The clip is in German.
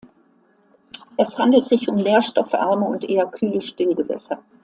Es handelt sich um nährstoffarme und eher kühle Stillgewässer.